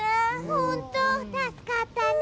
ほんとたすかったね。